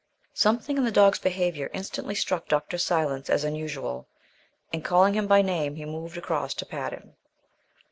Something in the dog's behaviour instantly struck Dr. Silence as unusual, and, calling him by name, he moved across to pat him.